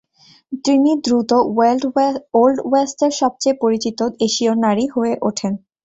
তিনি দ্রুত ওল্ড ওয়েস্টের সবচেয়ে পরিচিত এশীয় নারী হয়ে ওঠেন।